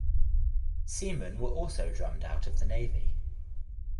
Seamen were also drummed out of the Navy.